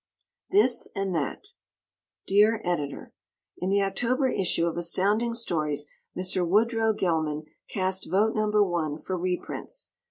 This and That Dear Editor: In the October issue of Astounding Stories Mr. Woodrow Gelman cast vote number 1 for reprints.